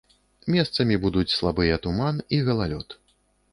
Месцамі будуць слабыя туман і галалёд.